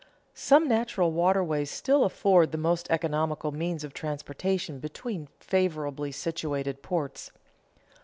_ Some natural waterways still afford the most economical means of transportation between favorably situated ports.